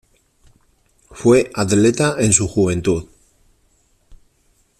Fue atleta en su juventud.